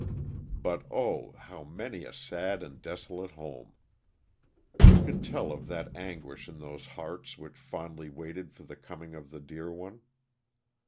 But oh, how many a sad and desolate homel Who can tell of the anguish in those hearts which fondly waited for the coming of the dear one.